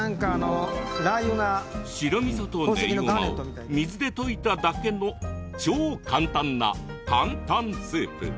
白みそと練りごまを水で溶いただけの超簡単なタンタンスープ。